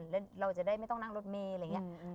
แล้วเราจะได้ไม่ต้องนั่งรถเมย์